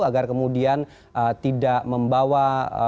agar kemudian tidak membawa